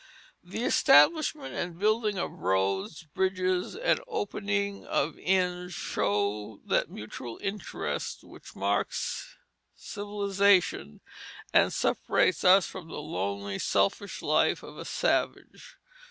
The establishment and building of roads, bridges, and opening of inns show that mutual interest which marks civilization, and separates us from the lonely, selfish life of a savage.